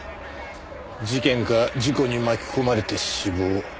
事件か事故に巻き込まれて死亡。